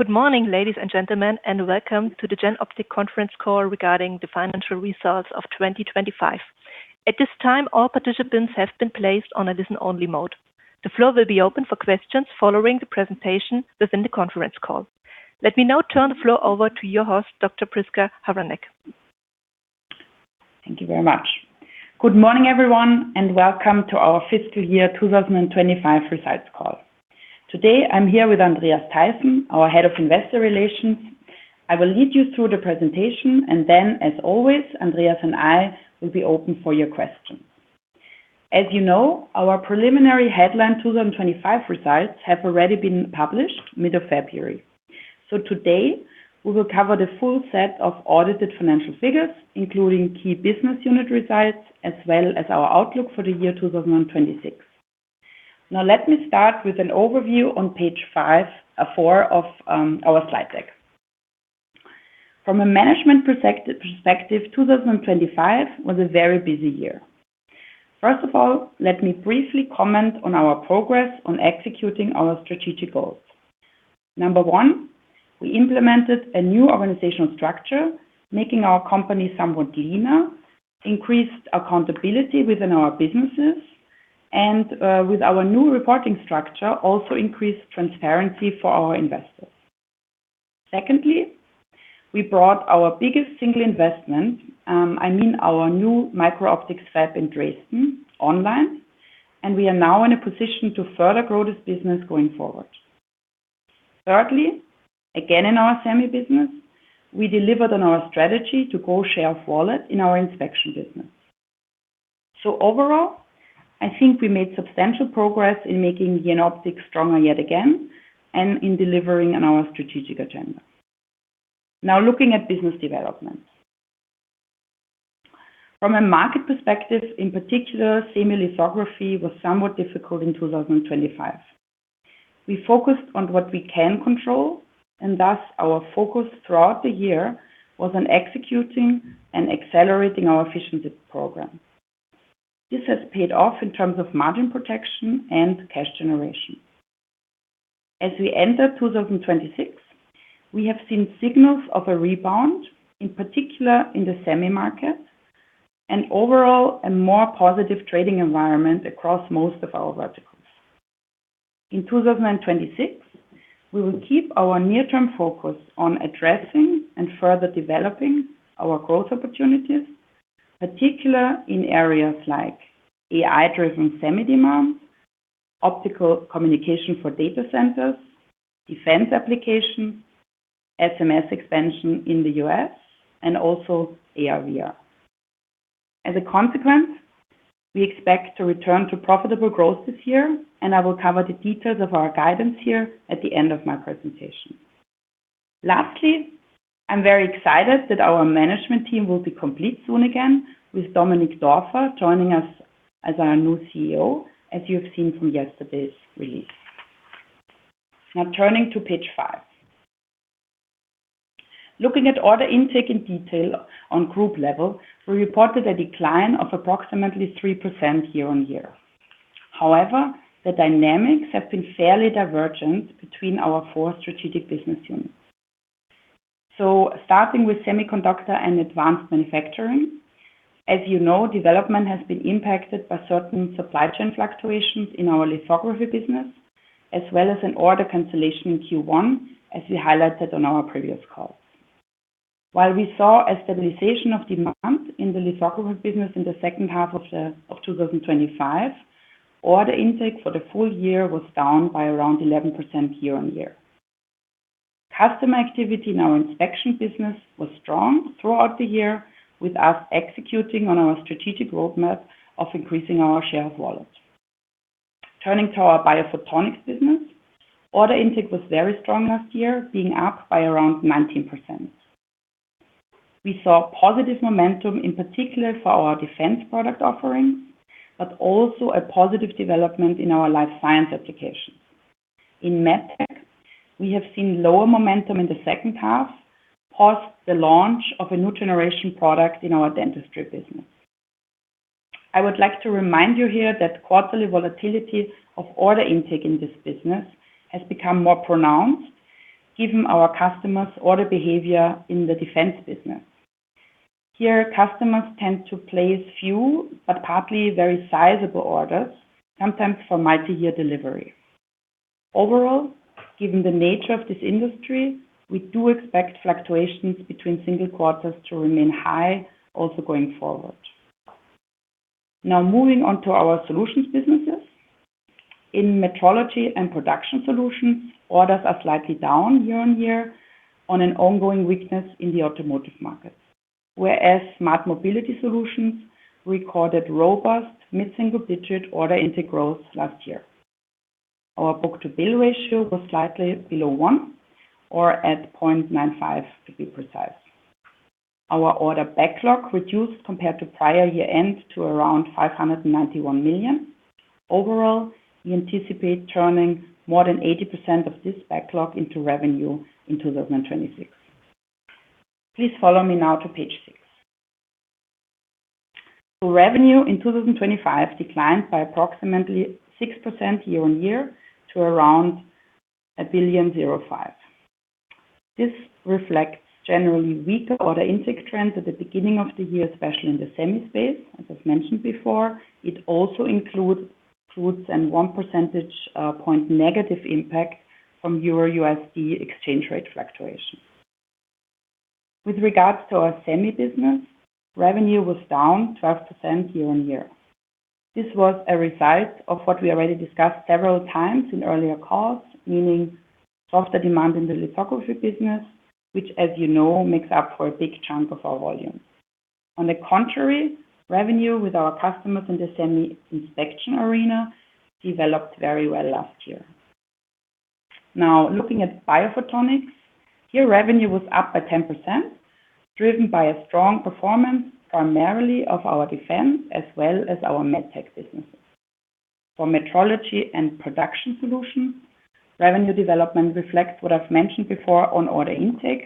Good morning, ladies and gentlemen, and welcome to the Jenoptik conference call regarding the financial results of 2025. At this time, all participants have been placed on a listen only mode. The floor will be open for questions following the presentation within the conference call. Let me now turn the floor over to your host, Dr. Prisca Havranek-Kosicek. Thank you very much. Good morning, everyone, and welcome to our fiscal year 2025 results call. Today, I'm here with Andreas Theisen, our Head of Investor Relations. I will lead you through the presentation, and then as always, Andreas and I will be open for your questions. As you know, our preliminary headline 2025 results have already been published mid of February. Today, we will cover the full set of audited financial figures, including key business unit results as well as our outlook for the year 2026. Now let me start with an overview on page 4 of our slide deck. From a management perspective, 2025 was a very busy year. First of all, let me briefly comment on our progress on executing our strategic goals. One, we implemented a new organizational structure, making our company somewhat leaner, increased accountability within our businesses, and with our new reporting structure, also increased transparency for our investors. Secondly, we brought our biggest single investment, our new micro-optics fab in Dresden online, and we are now in a position to further grow this business going forward. Thirdly, again, in our semi business, we delivered on our strategy to grow share of wallet in our inspection business. Overall, I think we made substantial progress in making Jenoptik stronger yet again and in delivering on our strategic agenda. Now looking at business development. From a market perspective, in particular, semi lithography was somewhat difficult in 2025. We focused on what we can control, and thus our focus throughout the year was on executing and accelerating our efficiency program. This has paid off in terms of margin protection and cash generation. As we enter 2026, we have seen signals of a rebound, in particular in the semi market, and overall a more positive trading environment across most of our verticals. In 2026, we will keep our near-term focus on addressing and further developing our growth opportunities, particularly in areas like AI-driven semi demand, optical communication for data centers, defense applications, SMS expansion in the U.S., and also AR/VR. As a consequence, we expect to return to profitable growth this year, and I will cover the details of our guidance here at the end of my presentation. Lastly, I'm very excited that our management team will be complete soon again with Dominic Dorfner joining us as our new CEO, as you have seen from yesterday's release. Now turning to page 5. Looking at order intake in detail on group level, we reported a decline of approximately 3% year-on-year. However, the dynamics have been fairly divergent between our 4 strategic business units. Starting with Semiconductor & Advanced Manufacturing, as you know, development has been impacted by certain supply chain fluctuations in our lithography business, as well as an order cancellation in Q1, as we highlighted on our previous call. While we saw a stabilization of demand in the lithography business in the second half of 2023, order intake for the full year was down by around 11% year-on-year. Customer activity in our inspection business was strong throughout the year, with us executing on our strategic roadmap of increasing our share of wallet. Turning to our Biophotonics business, order intake was very strong last year, being up by around 19%. We saw positive momentum, in particular for our defense product offering, but also a positive development in our life science applications. In MedTech, we have seen lower momentum in the second half post the launch of a new generation product in our dentistry business. I would like to remind you here that quarterly volatility of order intake in this business has become more pronounced given our customers' order behavior in the defense business. Here, customers tend to place few but partly very sizable orders, sometimes for multi-year delivery. Overall, given the nature of this industry, we do expect fluctuations between single quarters to remain high also going forward. Now moving on to our solutions businesses. In Metrology & Production Solutions, orders are slightly down year-over-year on an ongoing weakness in the automotive markets. Whereas Smart Mobility Solutions recorded robust mid-single-digit order intake last year. Our book-to-bill ratio was slightly below 1 or at 0.95 to be precise. Our order backlog reduced compared to prior year-end to around 591 million. Overall, we anticipate turning more than 80% of this backlog into revenue in 2026. Please follow me now to page 6. Revenue in 2025 declined by approximately 6% year-over-year to around 1.05 billion. This reflects generally weaker order intake trends at the beginning of the year, especially in the semi space, as I've mentioned before. It also includes 1 percentage point negative impact from Euro USD exchange rate fluctuation. With regards to our semi business, revenue was down 12% year-over-year. This was a result of what we already discussed several times in earlier calls, meaning softer demand in the lithography business, which as you know, makes up a big chunk of our volume. On the contrary, revenue with our customers in the semi inspection arena developed very well last year. Now looking at Biophotonics, here revenue was up by 10%, driven by a strong performance primarily of our defense as well as our MedTech businesses. For Metrology & Production Solutions, revenue development reflects what I've mentioned before on order intake.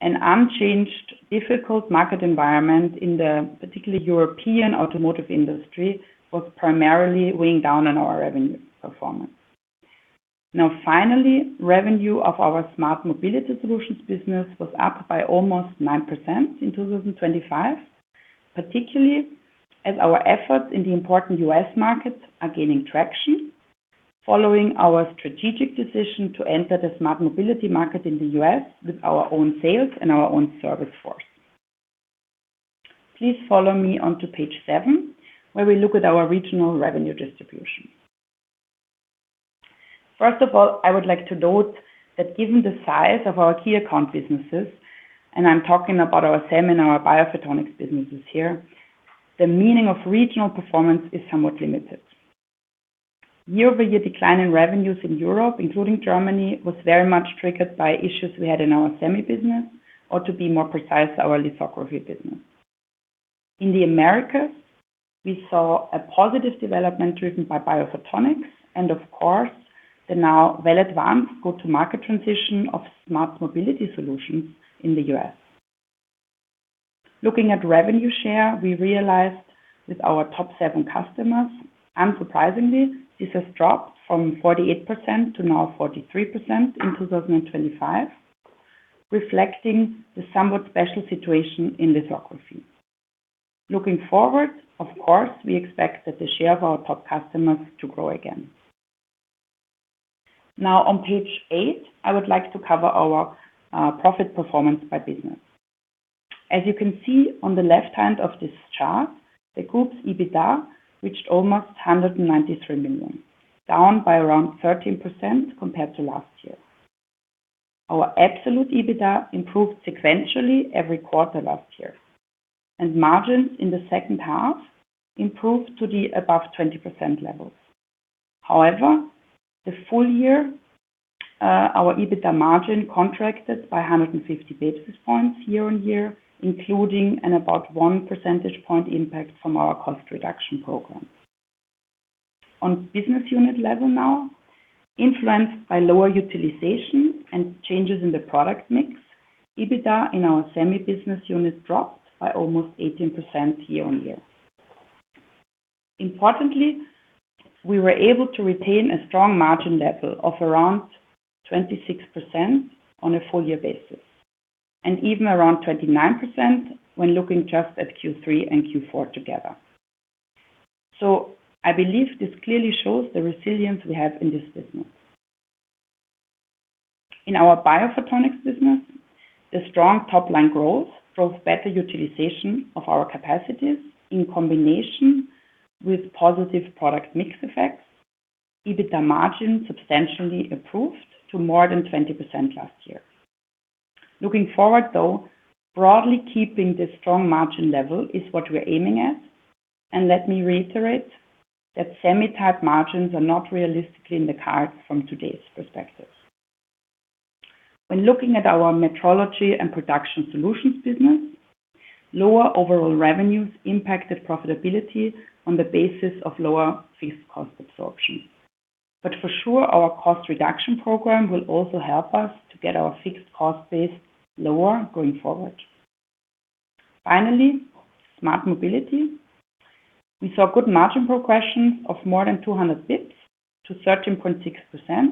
An unchanged difficult market environment in the, particularly, European automotive industry was primarily weighing down on our revenue performance. Now finally, revenue of our Smart Mobility Solutions business was up by almost 9% in 2025, particularly as our efforts in the important U.S. markets are gaining traction following our strategic decision to enter the Smart Mobility market in the U.S. with our own sales and our own service force. Please follow me on to page 7, where we look at our regional revenue distribution. First of all, I would like to note that given the size of our key account businesses, and I'm talking about our semi and our Biophotonics businesses here, the meaning of regional performance is somewhat limited. Year-over-year decline in revenues in Europe, including Germany, was very much triggered by issues we had in our semi business, or to be more precise, our lithography business. In the Americas, we saw a positive development driven by Biophotonics and of course, the now well advanced go-to-market transition of Smart Mobility Solutions in the U.S. Looking at revenue share we realized with our top seven customers, unsurprisingly, this has dropped from 48% to now 43% in 2025, reflecting the somewhat special situation in lithography. Looking forward, of course, we expect that the share of our top customers to grow again. Now on page 8, I would like to cover our profit performance by business. As you can see on the left hand of this chart, the group's EBITDA reached almost 193 million, down by around 13% compared to last year. Our absolute EBITDA improved sequentially every quarter last year, and margins in the second half improved to the above 20% levels. However, the full year, our EBITDA margin contracted by 150 basis points year-on-year, including about one percentage point impact from our cost reduction program. On business unit level now, influenced by lower utilization and changes in the product mix, EBITDA in our semi business unit dropped by almost 18% year-on-year. Importantly, we were able to retain a strong margin level of around 26% on a full year basis, and even around 29% when looking just at Q3 and Q4 together. I believe this clearly shows the resilience we have in this business. In our Biophotonics business, the strong top-line growth drove better utilization of our capacities in combination with positive product mix effects. EBITDA margin substantially improved to more than 20% last year. Looking forward, though, broadly keeping this strong margin level is what we're aiming at, and let me reiterate that semi type margins are not realistically in the cards from today's perspective. When looking at our Metrology & Production Solutions business, lower overall revenues impacted profitability on the basis of lower fixed cost absorption. For sure, our cost reduction program will also help us to get our fixed cost base lower going forward. Finally, Smart Mobility. We saw good margin progression of more than 200 basis points to 13.6%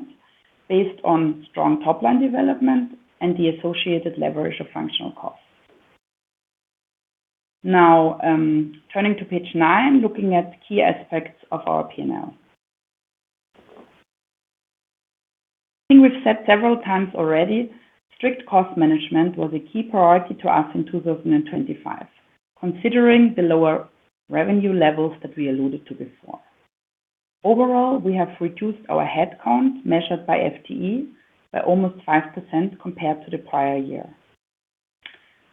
based on strong top-line development and the associated leverage of functional costs. Now, turning to page 9, looking at key aspects of our P&L. I think we've said several times already. Strict cost management was a key priority to us in 2025, considering the lower revenue levels that we alluded to before. Overall, we have reduced our headcounts measured by FTE by almost 5% compared to the prior year.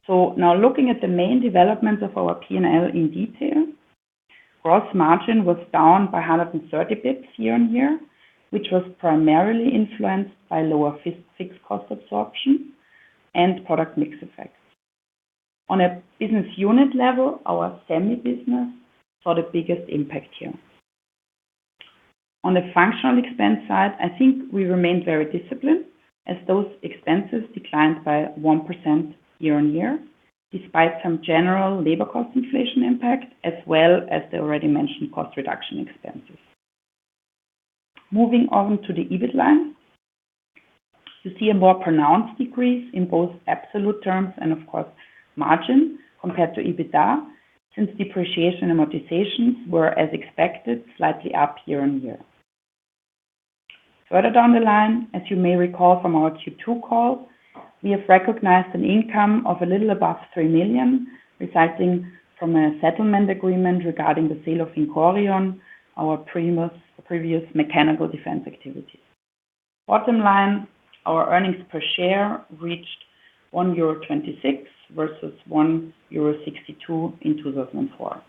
Now looking at the main development of our P&L in detail, gross margin was down by 130 bps year-on-year, which was primarily influenced by lower fixed cost absorption and product mix effects. On a business unit level, our semi business saw the biggest impact here. On the functional expense side, I think we remain very disciplined as those expenses declined by 1% year-on-year, despite some general labor cost inflation impact, as well as the already mentioned cost reduction expenses. Moving on to the EBIT line. You see a more pronounced decrease in both absolute terms and, of course, margin compared to EBITDA, since depreciation amortizations were as expected, slightly up year-on-year. Further down the line, as you may recall from our Q2 call, we have recognized an income of a little above 3 million, resulting from a settlement agreement regarding the sale of Vincorion, our previous mechanical defense activities. Bottom line, our earnings per share reached 1.26 euro versus 1.62 euro in 2004.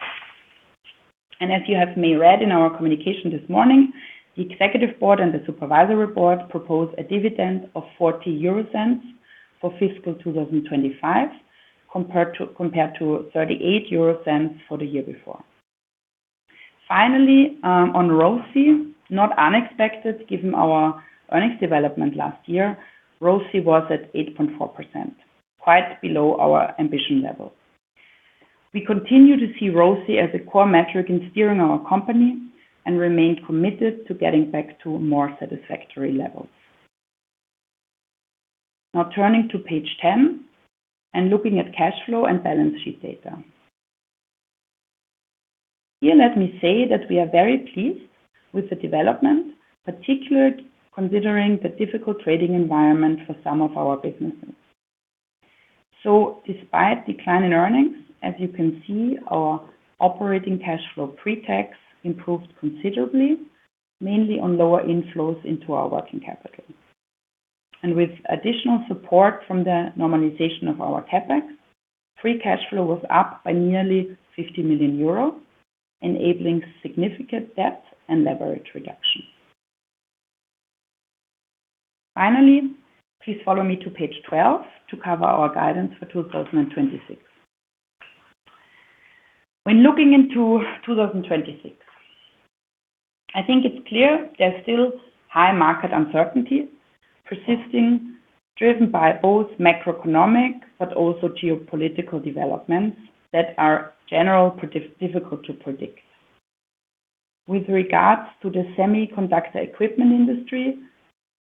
As you may have read in our communication this morning, the executive board and the supervisory board proposed a dividend of 0.40 for fiscal 2025 compared to 0.38 for the year before. Finally, on ROCE, not unexpected, given our earnings development last year, ROCE was at 8.4%, quite below our ambition level. We continue to see ROCE as a core metric in steering our company and remain committed to getting back to more satisfactory levels. Turning to page 10 and looking at cash flow and balance sheet data. Here, let me say that we are very pleased with the development, particularly considering the difficult trading environment for some of our businesses. Despite decline in earnings, as you can see, our operating cash flow pre-tax improved considerably, mainly on lower inflows into our working capital. With additional support from the normalization of our CapEx, free cash flow was up by nearly 50 million euro, enabling significant debt and leverage reduction. Please follow me to page 12 to cover our guidance for 2026. When looking into 2026, I think it's clear there's still high market uncertainty persisting, driven by both macroeconomic but also geopolitical developments that are difficult to predict. With regard to the semiconductor equipment industry,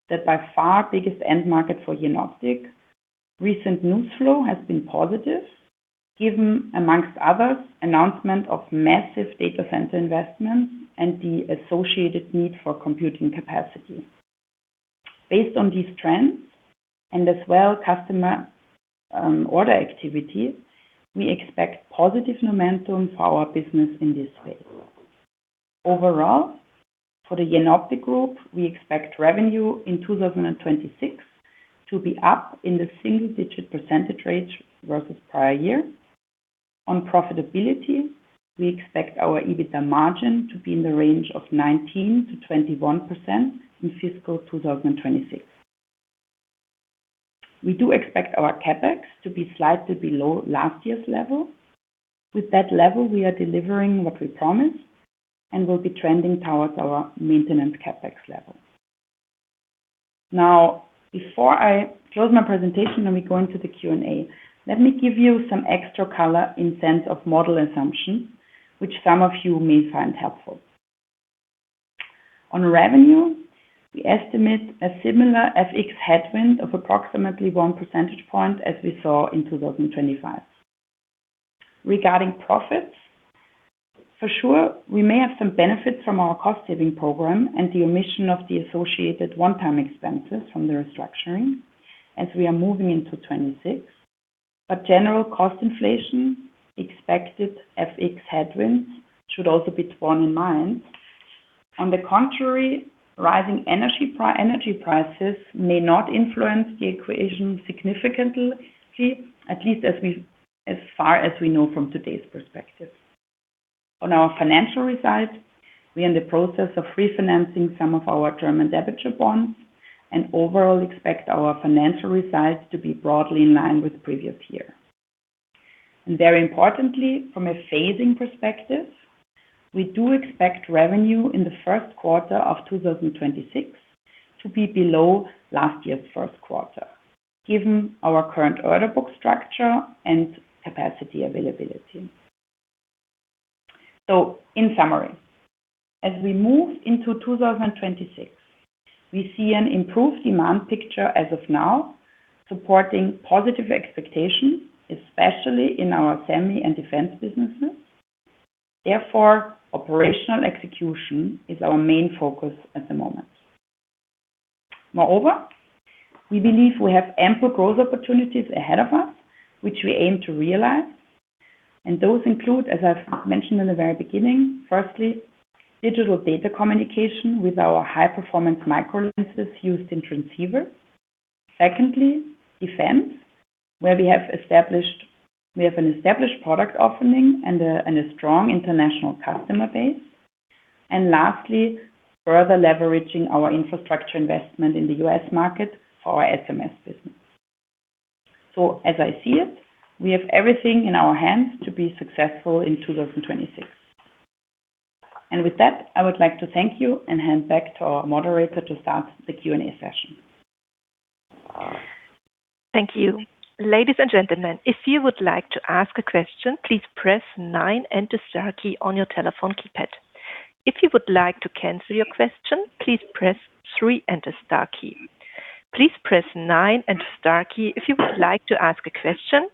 that's by far the biggest end market for Jenoptik, recent news flow has been positive, given, among others, announcement of massive data center investments and the associated need for computing capacity. Based on these trends and, as well as customer order activity, we expect positive momentum for our business in this space. Overall, for the Jenoptik Group, we expect revenue in 2026 to be up in the single-digit percentage rate versus prior year. On profitability, we expect our EBITDA margin to be in the range of 19%-21% in fiscal 2026. We do expect our CapEx to be slightly below last year's level. With that level, we are delivering what we promised and will be trending towards our maintenance CapEx level. Now, before I close my presentation and we go into the Q&A, let me give you some extra color in sense of model assumptions, which some of you may find helpful. On revenue, we estimate a similar FX headwind of approximately 1 percentage point as we saw in 2025. Regarding profits, for sure, we may have some benefits from our cost-saving program and the omission of the associated one-time expenses from the restructuring as we are moving into 2026. General cost inflation, expected FX headwinds should also be borne in mind. On the contrary, rising energy prices may not influence the equation significantly, at least as far as we know from today's perspective. On our financial results, we are in the process of refinancing some of our German debenture bonds and overall expect our financial results to be broadly in line with previous year. Very importantly, from a phasing perspective, we do expect revenue in the first quarter of 2026 to be below last year's first quarter, given our current order book structure and capacity availability. In summary, as we move into 2026, we see an improved demand picture as of now, supporting positive expectation, especially in our semi and defense businesses. Therefore, operational execution is our main focus at the moment. Moreover, we believe we have ample growth opportunities ahead of us, which we aim to realize. Those include, as I've mentioned in the very beginning, firstly, digital data communication with our high-performance microlenses used in transceivers. Secondly, defense, where we have an established product offering and a strong international customer base. Lastly, further leveraging our infrastructure investment in the U.S. market for our SMS business. As I see it, we have everything in our hands to be successful in 2026. With that, I would like to thank you and hand back to our moderator to start the Q&A session. Thank you. Ladies and gentlemen, if you would like to ask a question, please press nine and the star key on your telephone keypad. If you would like to cancel your question, please press three and the star key. Please press nine and star key if you would like to ask a question.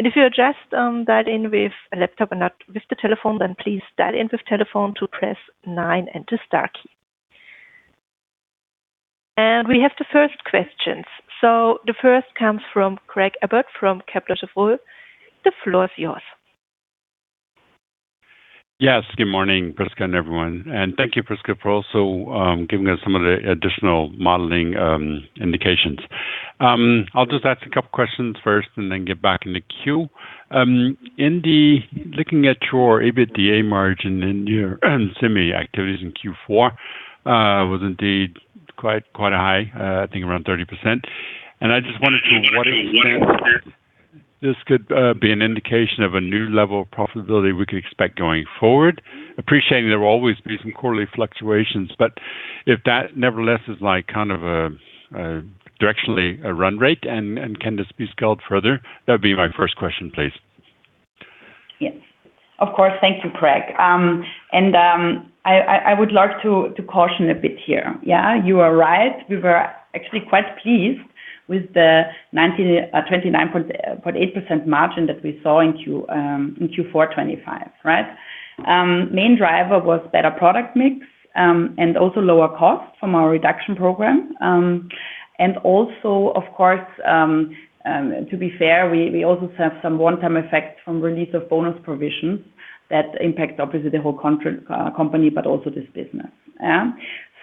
If you are just dialing in with a laptop and not with the telephone, then please dial in with the telephone to press nine and the star key. We have the first question. The first comes from Craig Abbott from Kepler Cheuvreux. The floor is yours. Yes. Good morning, Prisca and everyone. Thank you, Prisca, for also giving us some of the additional modeling indications. I'll just ask a couple questions first and then get back in the queue. Looking at your EBITDA margin in your semi activities in Q4 was indeed quite high, I think around 30%. I just wanted to- Mm-hmm. To understand whether this could be an indication of a new level of profitability we could expect going forward. Appreciating there will always be some quarterly fluctuations. If that nevertheless is like kind of a directionally run rate and can this be scaled further? That'd be my first question, please. Yes. Of course. Thank you, Craig. I would like to caution a bit here. Yeah, you are right. We were actually quite pleased with the 29.8% margin that we saw in Q4 2025, right? Main driver was better product mix, and also lower costs from our reduction program. Also, of course, to be fair, we also have some one-time effects from release of bonus provisions that impact obviously the whole company, but also this business.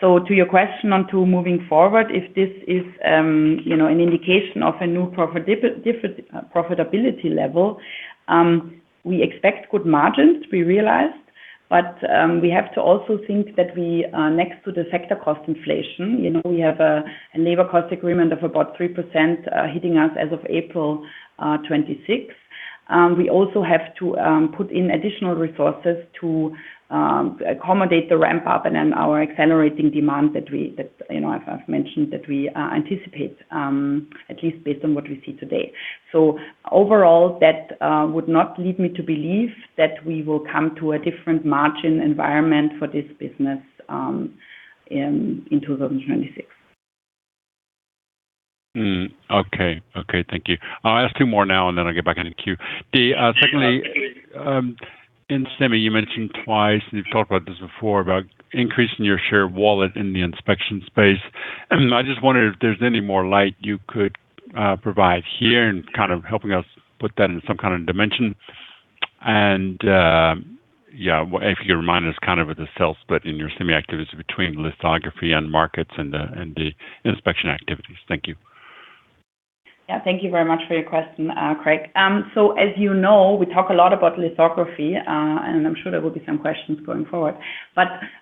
To your question on to moving forward, if this is, you know, an indication of a new profitability level, we expect good margins to be realized, but we have to also think that we, next to the sector cost inflation, you know, we have a labor cost agreement of about 3%, hitting us as of April 2026. We also have to put in additional resources to accommodate the ramp up and then our accelerating demand that, you know, I've mentioned that we anticipate, at least based on what we see today. Overall, that would not lead me to believe that we will come to a different margin environment for this business in 2026. Okay. Thank you. I'll ask two more now, and then I'll get back in the queue. Sure. Secondly, in semi, you mentioned twice, and you've talked about this before, about increasing your share of wallet in the inspection space. I just wondered if there's any more light you could provide here and kind of helping us put that in some kind of dimension. Yeah, if you remind us kind of with the sales split in your semi activity between lithography and metrology and the inspection activities. Thank you. Yeah. Thank you very much for your question, Craig. So as you know, we talk a lot about lithography, and I'm sure there will be some questions going forward.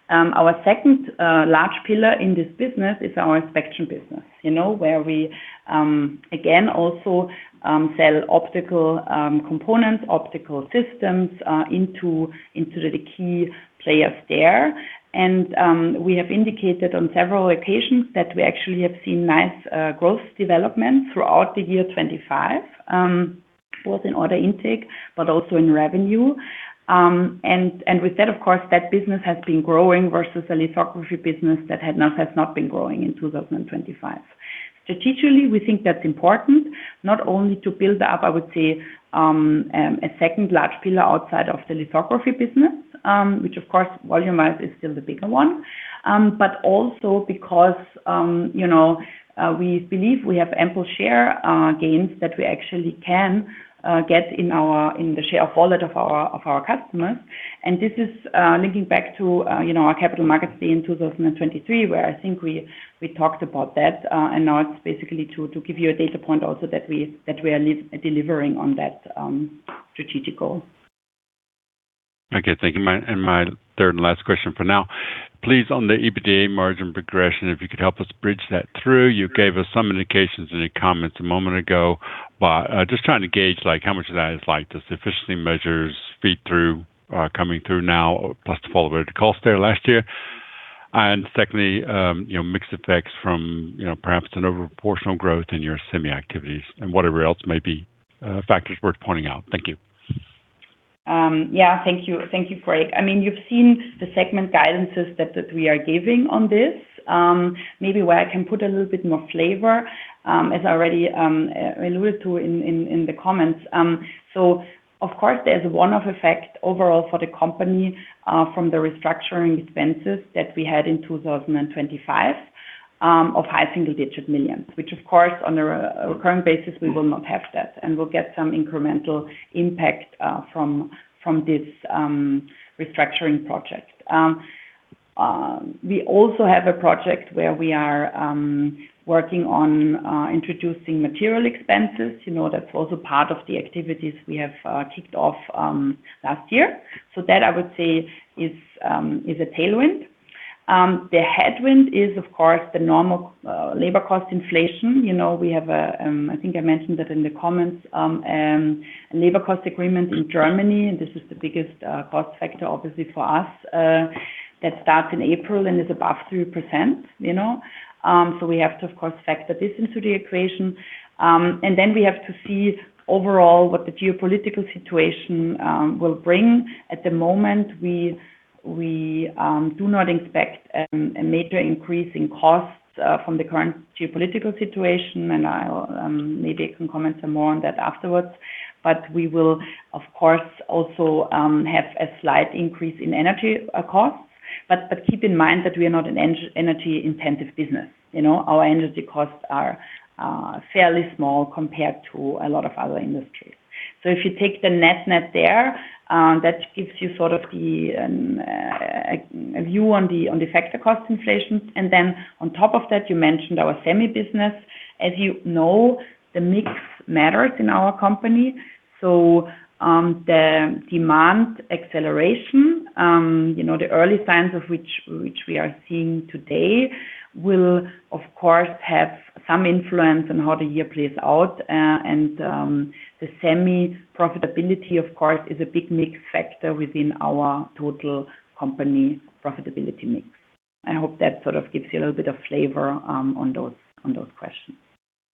Our second large pillar in this business is our inspection business, you know, where we again also sell optical components, optical systems into the key players there. We have indicated on several occasions that we actually have seen nice growth development throughout the year 2025, both in order intake, but also in revenue. With that, of course, that business has been growing versus a lithography business that had not, has not been growing in 2025. Strategically, we think that's important not only to build up, I would say, a second large pillar outside of the lithography business, which of course, volume-wise is still the bigger one, but also because, you know, we believe we have ample share gains that we actually can get in the share of wallet of our customers. This is linking back to, you know, our Capital Markets Day 2023, where I think we talked about that, and now it's basically to give you a data point also that we are delivering on that strategic goal. Okay. Thank you. My third and last question for now. Please, on the EBITDA margin progression, if you could help us bridge that through. You gave us some indications in your comments a moment ago, but just trying to gauge, like how much of that is, like, this efficiency measures feed through, coming through now, plus the fall of variable costs there last year. Secondly, you know, mixed effects from, you know, perhaps an overproportional growth in your semi activities and whatever else may be, factors worth pointing out. Thank you. Yeah. Thank you. Thank you, Craig. I mean, you've seen the segment guidances that we are giving on this. Maybe where I can put a little bit more flavor, as I already alluded to in the comments. Of course, there's a one-off effect overall for the company from the restructuring expenses that we had in 2025 of high single-digit millions. Which of course, on a recurring basis, we will not have that, and we'll get some incremental impact from this restructuring project. We also have a project where we are working on reducing material expenses. You know, that's also part of the activities we have kicked off last year. That I would say is a tailwind. The headwind is of course the normal labor cost inflation. You know, we have a, I think I mentioned that in the comments, a labor cost agreement in Germany, and this is the biggest cost factor obviously for us that starts in April and is above 3%, you know. We have to of course factor this into the equation. We have to see overall what the geopolitical situation will bring. At the moment, we do not expect a major increase in costs from the current geopolitical situation. I'll maybe I can comment some more on that afterwards. We will of course also have a slight increase in energy costs. Keep in mind that we are not an energy-intensive business. You know, our energy costs are fairly small compared to a lot of other industries. If you take the net-net there, that gives you sort of a view on the factor cost inflation. Then on top of that, you mentioned our semi business. As you know, the mix matters in our company. The demand acceleration, you know, the early signs of which we are seeing today, will of course have some influence on how the year plays out. The semi profitability, of course, is a big mix factor within our total company profitability mix. I hope that sort of gives you a little bit of flavor on those questions.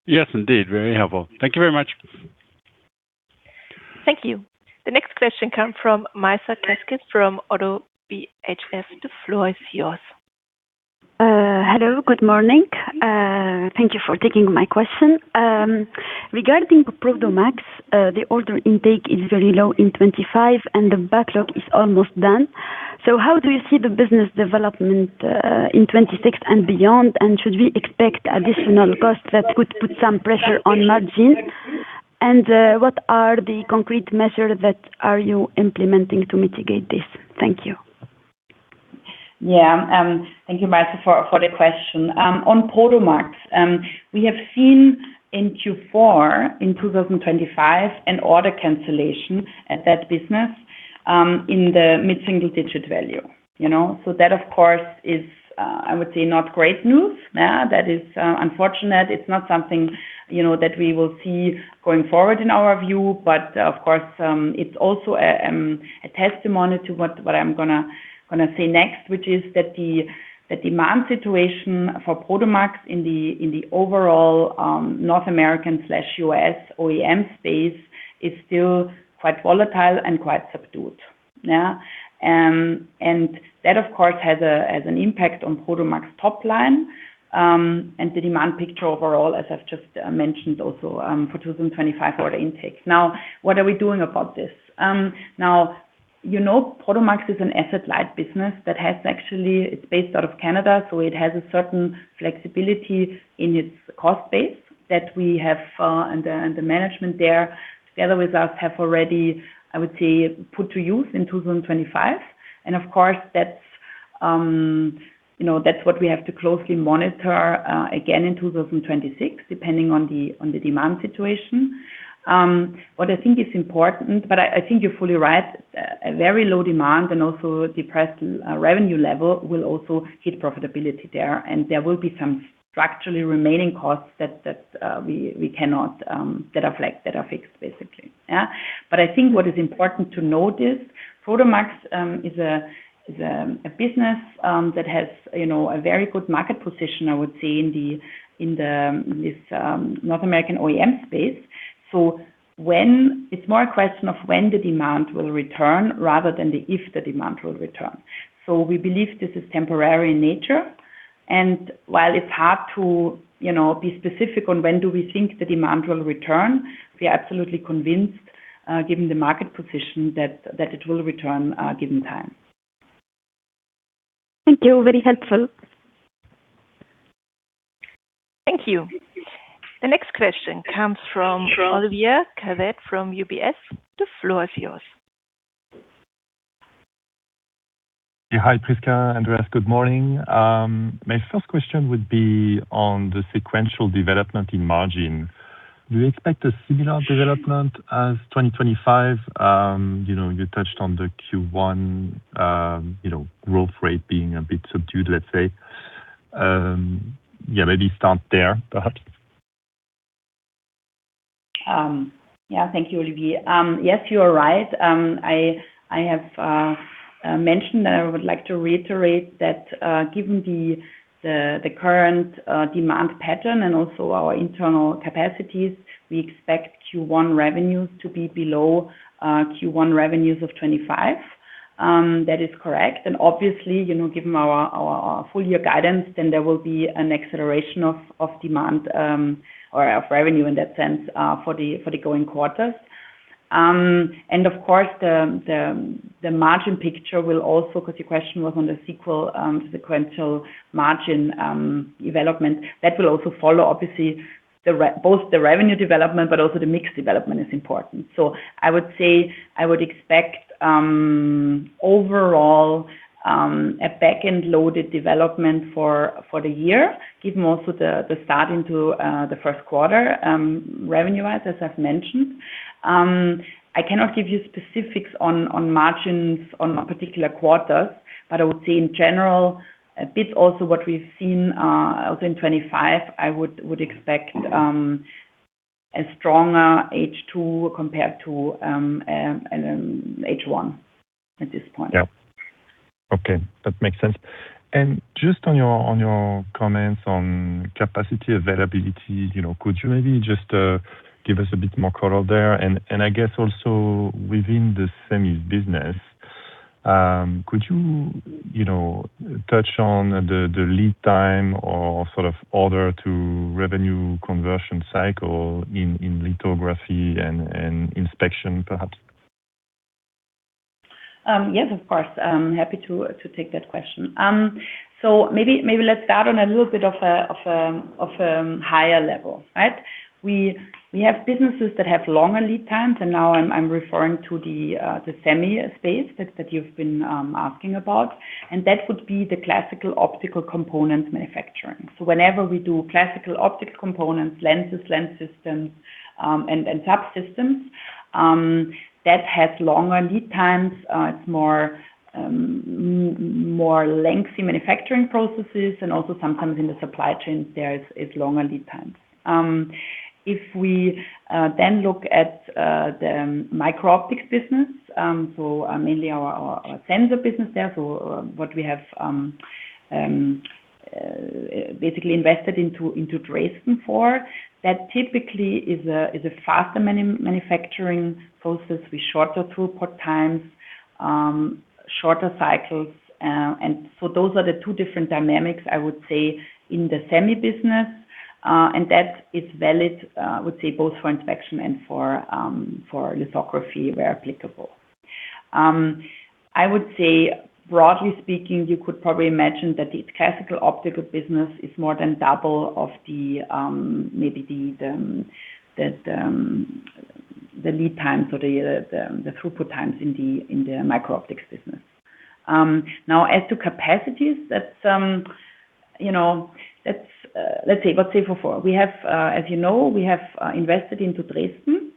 Yes, indeed. Very helpful. Thank you very much. Thank you. The next question comes from Maissa Keskes from Oddo BHF. The floor is yours. Hello. Good morning. Thank you for taking my question. Regarding Prodomax, the order intake is very low in 2025, and the backlog is almost done. How do you see the business development in 2026 and beyond? Should we expect additional costs that could put some pressure on margin? What are the concrete measures that you are implementing to mitigate this? Thank you. Yeah. Thank you, Maissa, for the question. On Prodomax, we have seen in Q4 in 2025 an order cancellation at that business, in the mid-single-digit value, you know. That of course is, I would say not great news. That is unfortunate. It's not something, you know, that we will see going forward in our view. Of course, it's also a testimony to what I'm gonna say next, which is that the demand situation for Prodomax in the overall North American/U.S. OEM space is still quite volatile and quite subdued. Yeah. That of course has an impact on Prodomax top line, and the demand picture overall, as I've just mentioned also, for 2025 order intakes. Now, what are we doing about this? Now, you know, Prodomax is an asset-light business that has actually. It's based out of Canada, so it has a certain flexibility in its cost base that we have, and the management there together with us have already, I would say, put to use in 2025. Of course that's, you know, that's what we have to closely monitor, again in 2026, depending on the demand situation. What I think is important, I think you're fully right, a very low demand and also depressed revenue level will also hit profitability there. There will be some structurally remaining costs that we cannot, that are fixed, basically. Yeah. I think what is important to notice, Prodomax is a business that has, you know, a very good market position, I would say, in this North American OEM space. It's more a question of when the demand will return rather than if the demand will return. We believe this is temporary in nature, and while it's hard to, you know, be specific on when we think the demand will return, we are absolutely convinced, given the market position that it will return, given time. Thank you. Very helpful. Thank you. The next question comes from Olivier Calvet from UBS. The floor is yours. Yeah. Hi, Prisca, Andreas. Good morning. My first question would be on the sequential development in margin. Do you expect a similar development as 2025? You know, you touched on the Q1, you know, growth rate being a bit subdued, let's say. Yeah, maybe start there, perhaps. Yeah. Thank you, Olivier. Yes, you are right. I have mentioned and I would like to reiterate that, given the current demand pattern and also our internal capacities, we expect Q1 revenues to be below Q1 revenues of 2025. That is correct. Obviously, you know, given our full year guidance, there will be an acceleration of demand or of revenue in that sense for the coming quarters. Of course, the margin picture will also, because your question was on the sequential margin development, that will also follow obviously both the revenue development but also the mix development is important. I would say I would expect overall a back-end loaded development for the year, given also the start into the first quarter revenue-wise, as I've mentioned. I cannot give you specifics on margins on a particular quarter, but I would say in general, a bit also what we've seen also in 2025, I would expect a stronger H2 compared to H1 at this point. Yeah. Okay, that makes sense. Just on your comments on capacity availability, you know, could you maybe just give us a bit more color there? I guess also within the semi business, could you know, touch on the lead time or sort of order to revenue conversion cycle in lithography and inspection perhaps? Yes, of course. I'm happy to take that question. Maybe let's start on a little bit of a higher level, right? We have businesses that have longer lead times, and now I'm referring to the semi space that you've been asking about, and that would be the classical optical component manufacturing. Whenever we do classical optical components, lenses, lens systems, and subsystems, that has longer lead times. It's more lengthy manufacturing processes, and also sometimes in the supply chains there is longer lead times. If we then look at the micro-optics business, so mainly our sensor business there. What we have basically invested into Dresden for, that typically is a faster manufacturing process with shorter throughput times, shorter cycles. Those are the two different dynamics, I would say, in the semi business. That is valid, I would say, both for inspection and for lithography where applicable. I would say broadly speaking, you could probably imagine that the classical optical business is more than double the lead time. The throughput times in the micro-optics business. As to capacities, that's, you know, that's, let's say for four. We have, as you know, invested into Dresden,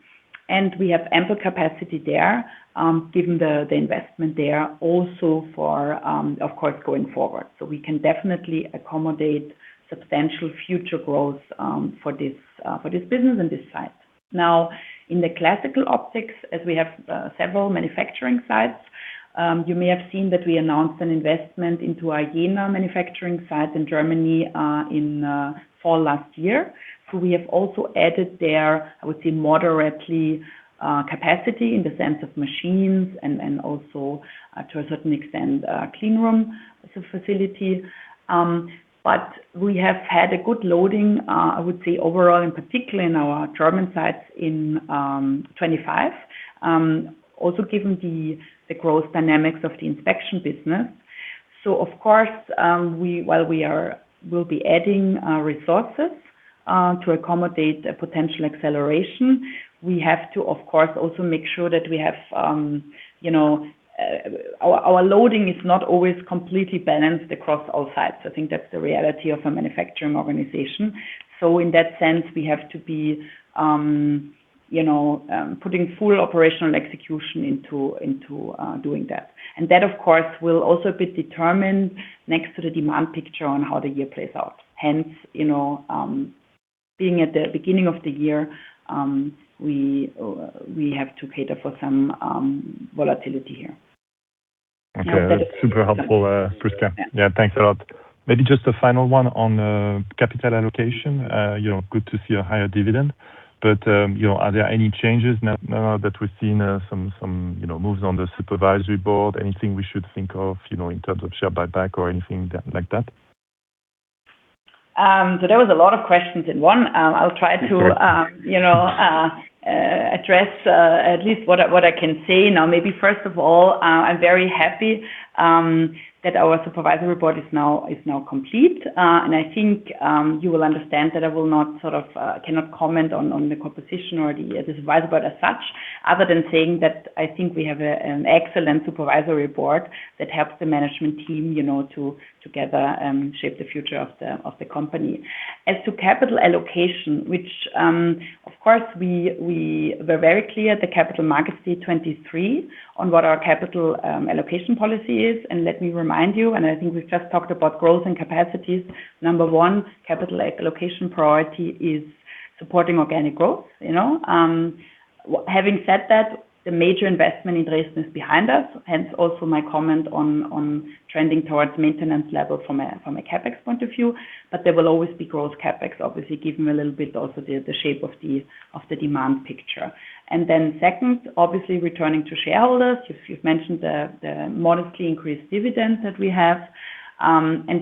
and we have ample capacity there, given the investment there also for, of course, going forward. We can definitely accommodate substantial future growth for this business and this site. Now in the classical optics, as we have several manufacturing sites, you may have seen that we announced an investment into our Jena manufacturing site in Germany, in fall last year. We have also added there, I would say moderately, capacity in the sense of machines and also, to a certain extent, clean room as a facility. We have had a good loading, I would say overall and particularly in our German sites in 2025, also given the growth dynamics of the inspection business. Of course, we'll be adding resources to accommodate a potential acceleration, we have to of course also make sure that our loading is not always completely balanced across all sites. I think that's the reality of a manufacturing organization. In that sense, we have to be putting full operational execution into doing that. That of course will also be determined next to the demand picture on how the year plays out. Hence, being at the beginning of the year, we have to cater for some volatility here. Okay. Super helpful, Prisca. Yeah, thanks a lot. Maybe just a final one on capital allocation. You know, good to see a higher dividend, but you know, are there any changes now that we've seen some moves on the supervisory board, anything we should think of, you know, in terms of share buyback or anything like that? There was a lot of questions in one. I'll try to. Okay. You know, at least what I can say now, maybe first of all, I'm very happy that our Supervisory Board is now complete. I think you will understand that I will not sort of cannot comment on the composition or the Supervisory Board as such, other than saying that I think we have an excellent Supervisory Board that helps the management team, you know, to together shape the future of the company. As to capital allocation, which, of course, we were very clear at the Capital Markets Day 2023 on what our capital allocation policy is. Let me remind you, and I think we've just talked about growth and capacities. Number one, capital allocation priority is supporting organic growth, you know. Having said that, the major investment in Dresden is behind us. Hence also my comment on trending towards maintenance level from a CapEx point of view. There will always be growth CapEx, obviously, given a little bit also the shape of the demand picture. Then second, obviously returning to shareholders. You've mentioned the modestly increased dividends that we have.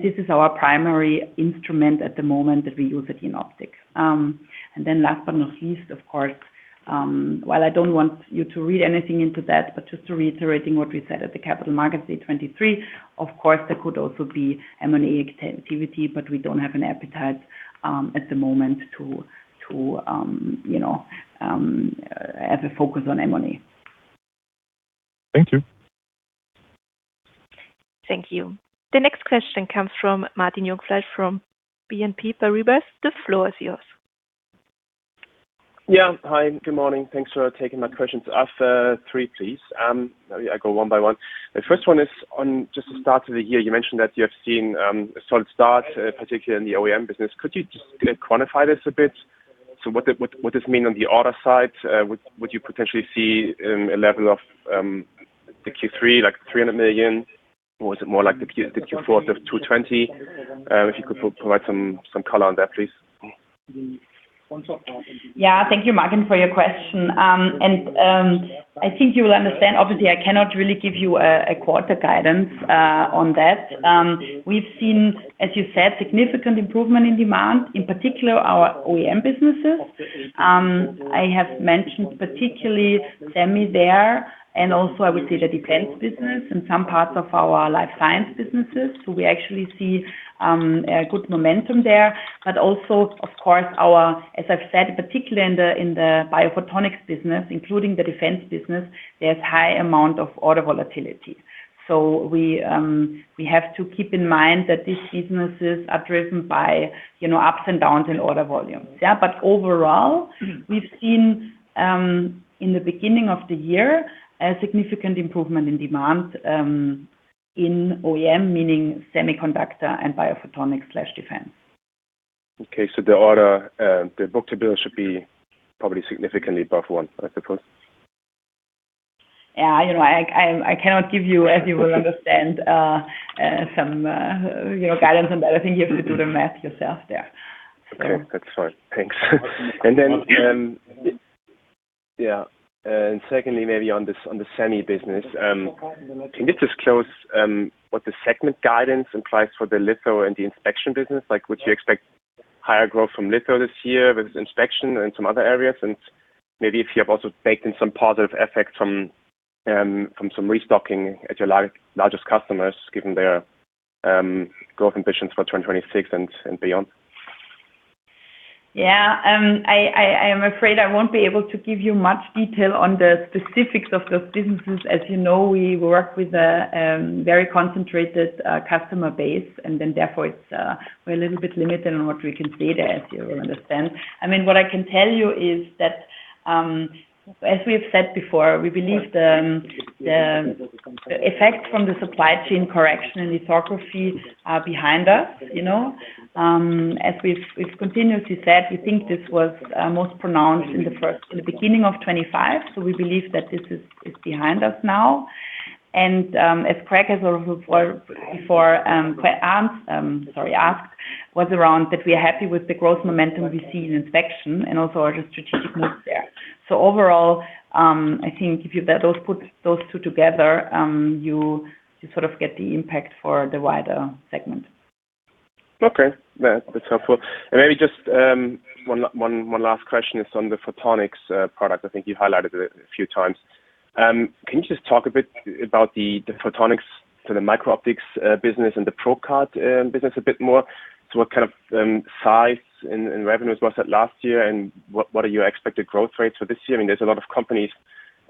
This is our primary instrument at the moment that we use it in optics. Then last but not least, of course, while I don't want you to read anything into that, but just reiterating what we said at the Capital Markets Day 2023, of course, there could also be M&A activity, but we don't have an appetite at the moment to you know as a focus on M&A. Thank you. Thank you. The next question comes from Martin Jungfleisch from BNP Paribas. The floor is yours. Yeah. Hi, good morning. Thanks for taking my questions. I have three, please. I go one by one. The first one is on just the start of the year. You mentioned that you have seen a solid start, particularly in the OEM business. Could you just quantify this a bit? What does this mean on the order side? Would you potentially see a level of the Q3, like 300 million, or is it more like the Q4 of 2020? If you could provide some color on that, please. Yeah. Thank you, Martin, for your question. I think you will understand, obviously, I cannot really give you a quarter guidance on that. We've seen, as you said, significant improvement in demand, in particular our OEM businesses. I have mentioned particularly semi there and also I would say the Defense business and some parts of our Life Science businesses. We actually see a good momentum there. Also, of course, our. As I've said, particularly in the Biophotonics business, including the Defense business, there's a high amount of order volatility. We have to keep in mind that these businesses are driven by, you know, ups and downs in order volumes. Overall, we've seen in the beginning of the year, a significant improvement in demand in OEM, meaning Semiconductor and Biophotonics/Defense. Okay. The book-to-bill should be probably significantly above one, I suppose. Yeah. You know, I cannot give you, as you will understand, some, you know, guidance on that. I think you have to do the math yourself there. Okay. That's fine. Thanks. Yeah. Secondly, maybe on this, on the semi business, can you just disclose what the segment guidance implies for the litho and the inspection business? Like, would you expect higher growth from litho this year with inspection and some other areas? Maybe if you have also baked in some positive effects from some restocking at your largest customers, given their growth ambitions for 2026 and beyond. Yeah. I am afraid I won't be able to give you much detail on the specifics of those businesses. As you know, we work with a very concentrated customer base, and therefore we're a little bit limited on what we can say there, as you will understand. I mean, what I can tell you is that as we've said before, we believe the effects from the supply chain correction in lithography are behind us, you know. As we've continuously said, we think this was most pronounced in the beginning of 2025. We believe that this is behind us now. As Craig has asked, we are happy with the growth momentum we see in inspection and also our strategic moves there. Overall, I think if you better put those two together, you sort of get the impact for the wider segment. Okay. Yeah. That's helpful. Maybe just one last question is on the photonics product. I think you've highlighted it a few times. Can you just talk a bit about the photonics to the micro-optics business and the Probe Card business a bit more? What kind of size and revenues was that last year, and what are your expected growth rates for this year? I mean, there's a lot of companies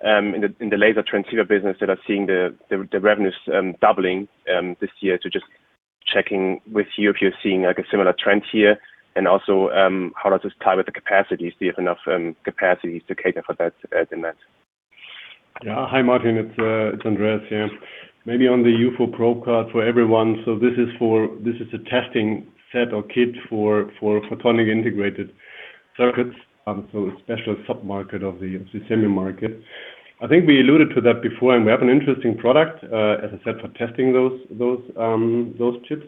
in the laser transceiver business that are seeing the revenues doubling this year. Just checking with you if you're seeing like a similar trend here. Also, how does this tie with the capacities? Do you have enough capacities to cater for that demand? Hi, Martin. It's Andreas Theisen here. Maybe on the UFO Probe Card for everyone. This is a testing set or kit for photonic integrated circuits, so a special sub-market of the semi market. I think we alluded to that before, and we have an interesting product, as I said, for testing those chips.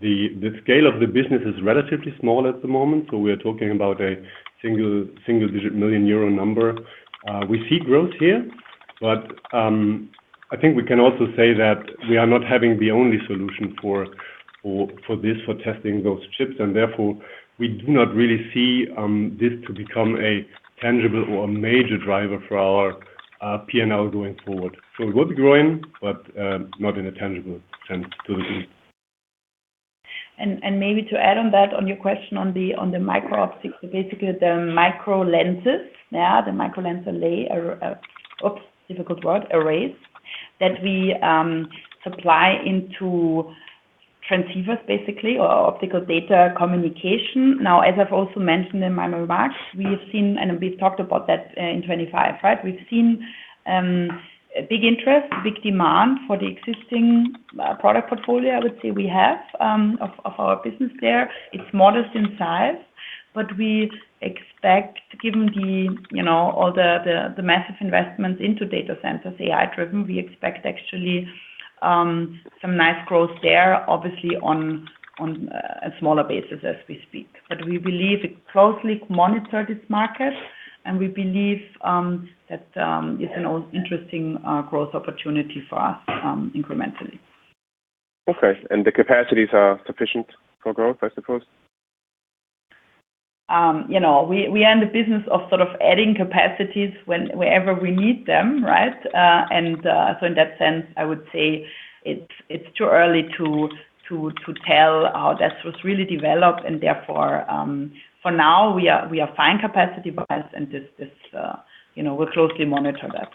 The scale of the business is relatively small at the moment, so we're talking about a single-digit million euro number. We see growth here, but I think we can also say that we are not having the only solution for testing those chips, and therefore we do not really see this to become a tangible or a major driver for our P&L going forward. We're good growing, but not in a tangible sense to the group. Maybe to add on that, on your question on the micro-optics, so basically the microlenses. Yeah, the microlenses arrays that we supply into transceivers basically, or optical data communication. As I've also mentioned in my remarks, we've seen, and we've talked about that, in 25, right? We've seen big interest, big demand for the existing product portfolio, I would say we have of our business there. It's modest in size, but we expect given the, you know, all the massive investments into data centers, AI driven, we expect actually some nice growth there, obviously on a smaller basis as we speak. But we believe it closely monitor this market, and we believe that it's an interesting growth opportunity for us, incrementally. Okay. The capacities are sufficient for growth, I suppose? You know, we are in the business of sort of adding capacities wherever we need them, right? In that sense, I would say it's too early to tell how that was really developed and therefore, for now we are fine capacity-wise and this, you know, we'll closely monitor that.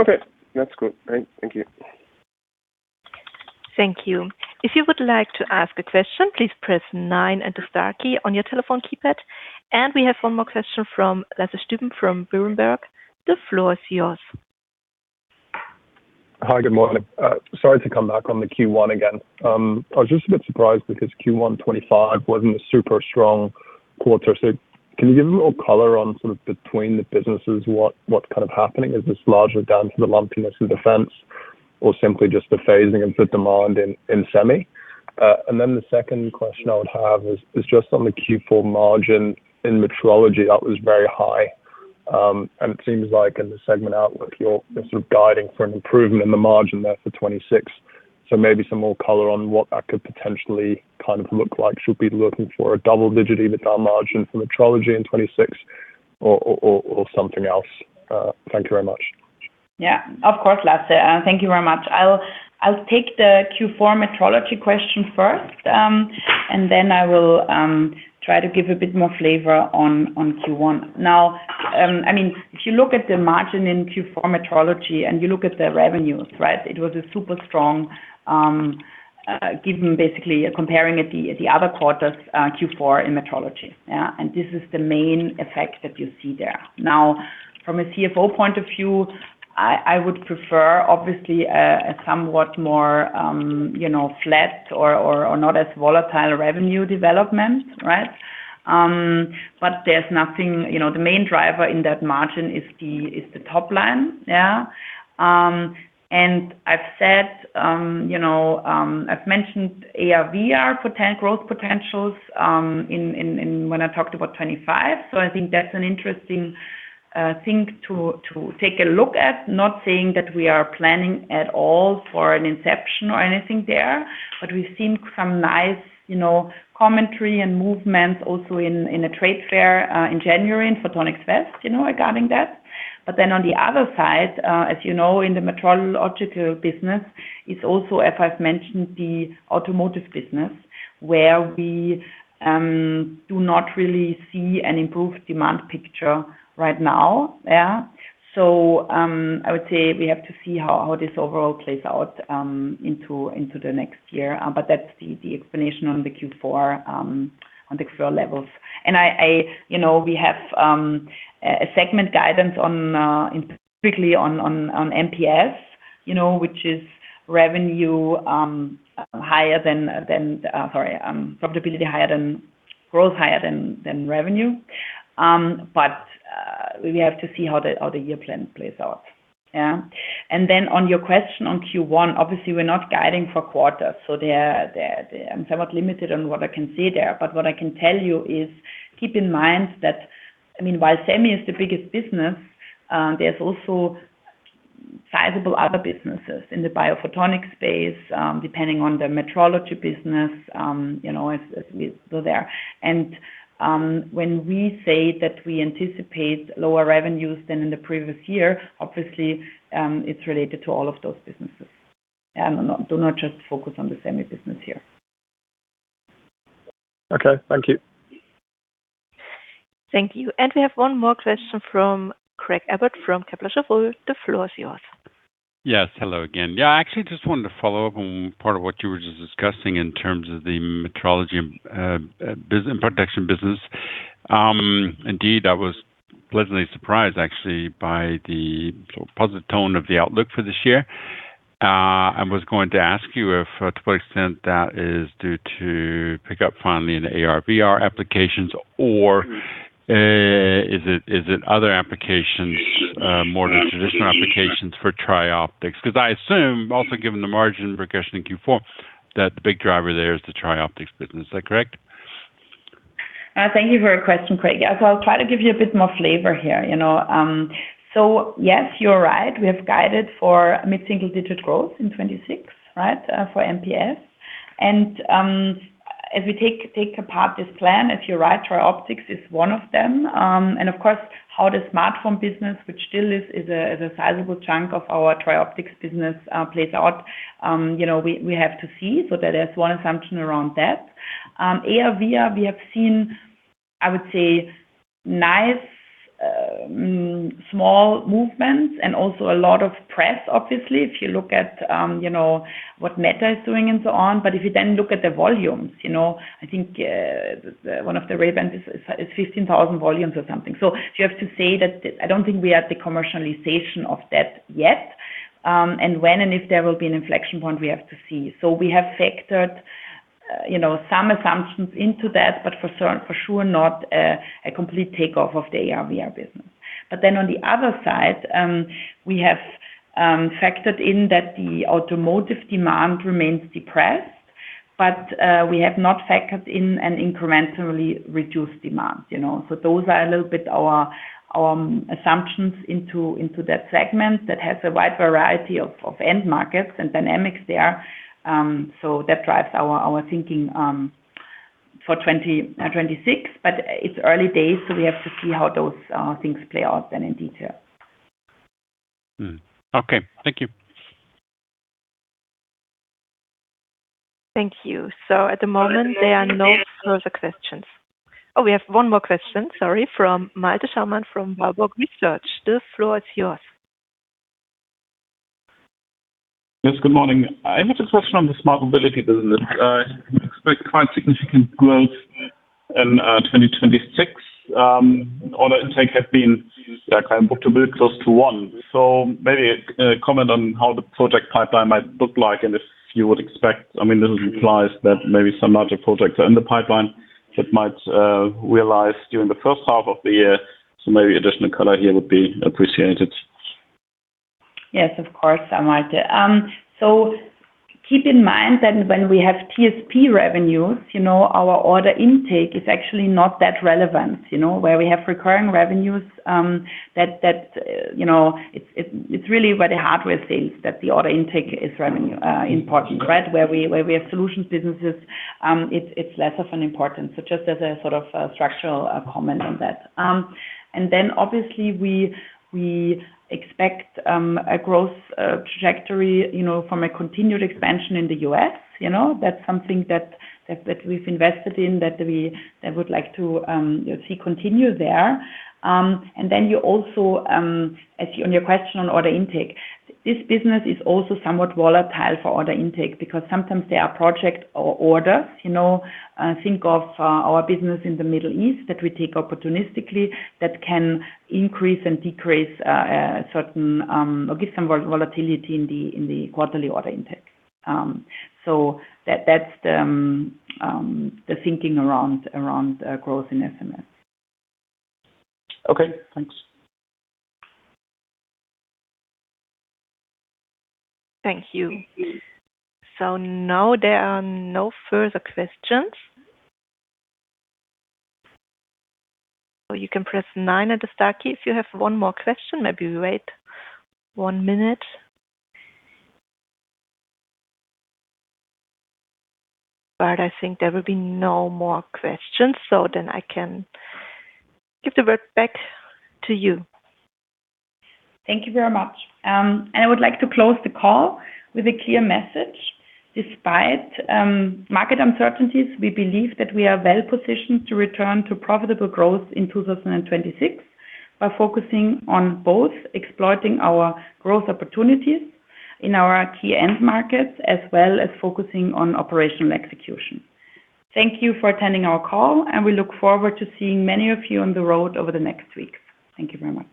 Okay. That's good. Great. Thank you. Thank you. If you would like to ask a question, please press nine and the star key on your telephone keypad. We have one more question from Lasse Stüben from Warburg Research. The floor is yours. Hi, good morning. Sorry to come back on the Q1 2025 again. I was just a bit surprised because Q1 2025 wasn't a super strong quarter. Can you give a little color on sort of between the businesses, what kind of happening? Is this largely down to the lumpiness of defense or simply just the phasing of the demand in semi? The second question I would have is just on the Q4 margin in Metrology. That was very high, and it seems like in the segment outlook, you're sort of guiding for an improvement in the margin there for 2026. Maybe some more color on what that could potentially kind of look like. Should we be looking for a double-digit EBITDA margin for Metrology in 2026 or something else? Thank you very much. Yeah, of course, Lasse. Thank you very much. I'll take the Q4 Metrology question first, and then I will try to give a bit more flavor on Q1. Now, I mean, if you look at the margin in Q4 Metrology, and you look at the revenues, right? It was super strong, given basically comparing it to the other quarters, Q4 in Metrology. Yeah. This is the main effect that you see there. Now, from a CFO point of view, I would prefer obviously a somewhat more, you know, flat or not as volatile revenue development, right? But there's nothing. You know, the main driver in that margin is the top line. Yeah. I've said, you know, I've mentioned AR/VR growth potentials in when I talked about 25. I think that's an interesting thing to take a look at. Not saying that we are planning at all for an inception or anything there, but we've seen some nice, you know, commentary and movements also in a trade fair in January in Photonics West, you know, regarding that. On the other side, as you know, in the metrology business is also, as I've mentioned, the automotive business, where we do not really see an improved demand picture right now. Yeah. I would say we have to see how this overall plays out into the next year. But that's the explanation on the Q4 on the Q4 levels. You know, we have a segment guidance on specifically on MPS, you know, which is profitability higher than growth higher than revenue. We have to see how the year plan plays out. Yeah. Then on your question on Q1, obviously, we're not guiding for quarters, so there, I'm somewhat limited on what I can say there. What I can tell you is keep in mind that, I mean, while Semi is the biggest business, there's also sizable other businesses in the biophotonics space, depending on the metrology business, you know, as we go there. When we say that we anticipate lower revenues than in the previous year, obviously, it's related to all of those businesses. Do not just focus on the Semi business here. Okay. Thank you. Thank you. We have one more question from Craig Abbott from Kepler Cheuvreux. The floor is yours. Yes. Hello again. Yeah, I actually just wanted to follow up on part of what you were just discussing in terms of the Metrology and Production business. Indeed, I was pleasantly surprised, actually, by the positive tone of the outlook for this year. I was going to ask you if, to what extent that is due to pick up finally in the AR/VR applications, or is it other applications more than traditional applications for TRIOPTICS? Because I assume, also given the margin progression in Q4, that the big driver there is the TRIOPTICS business. Is that correct? Thank you for your question, Craig. Yeah. I'll try to give you a bit more flavor here, you know. Yes, you're right. We have guided for mid-single-digit growth in 2026, right, for MPS. If we take apart this plan, you're right, TRIOPTICS is one of them. Of course, how the smartphone business, which still is a sizable chunk of our TRIOPTICS business, plays out, you know, we have to see. That is one assumption around that. AR/VR, we have seen, I would say nice small movements and also a lot of press, obviously, if you look at, you know, what Meta is doing and so on. If you then look at the volumes, you know, I think, one of the Ray-Bans is 15,000 volumes or something. You have to say that I don't think we are at the commercialization of that yet, and when and if there will be an inflection point, we have to see. We have factored, you know, some assumptions into that, but for sure not a complete takeoff of the AR/VR business. On the other side, we have factored in that the automotive demand remains depressed, but we have not factored in an incrementally reduced demand, you know. Those are a little bit our assumptions into that segment that has a wide variety of end markets and dynamics there. That drives our thinking for 2026, but it's early days. We have to see how those things play out then in detail. Okay. Thank you. Thank you. At the moment, there are no further questions. Oh, we have one more question, sorry, from Malte Schaumann from Warburg Research. The floor is yours. Yes, good morning. I have a question on the Smart Mobility business. You expect quite significant growth. In 2026, order intake had been kind of book-to-bill close to one. Maybe a comment on how the project pipeline might look like and if you would expect, I mean, this implies that maybe some larger projects are in the pipeline that might realize during the first half of the year. Maybe additional color here would be appreciated. Yes, of course, I might. Keep in mind that when we have TSP revenues, you know, our order intake is actually not that relevant. You know, where we have recurring revenues, that you know, it's really where the hardware sales that the order intake is revenue important, right? Where we have solutions businesses, it's less of an importance, so just as a sort of a structural comment on that. Then obviously, we expect a growth trajectory, you know, from a continued expansion in the U.S., you know. That's something that we've invested in, that we would like to you know, see continue there. You also answer to your question on order intake, this business is also somewhat volatile for order intake because sometimes there are project or orders, you know. Think of our business in the Middle East that we take opportunistically that can increase and decrease a certain or give some volatility in the quarterly order intake. That's the thinking around growth in SMS. Okay, thanks. Thank you. Now there are no further questions. You can press nine at the star key if you have one more question. Maybe we wait one minute. I think there will be no more questions. I can give the word back to you. Thank you very much. I would like to close the call with a clear message. Despite market uncertainties, we believe that we are well-positioned to return to profitable growth in 2026 by focusing on both exploiting our growth opportunities in our key end markets, as well as focusing on operational execution. Thank you for attending our call, and we look forward to seeing many of you on the road over the next weeks. Thank you very much.